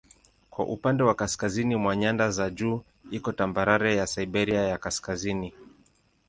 Kwa upande wa kaskazini mwa nyanda za juu iko tambarare ya Siberia ya Kaskazini.